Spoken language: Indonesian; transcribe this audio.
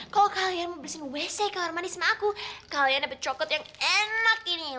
kalau kalian mau bersihkan wc kamar mandi sama aku kalian dapat cokelat yang enak ini